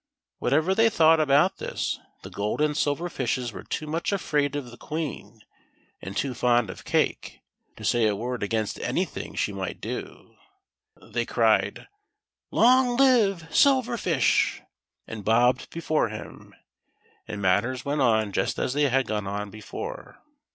30 THE SILVER FISH. Whatever they thought about this, the gold and silver fishes were too much afraid of the Queen, and too fond of cake, to say a word against anything she might do. They cried :" Long live Silver Fish !" and bobbed before him ; and matters went on just as they had gone on before.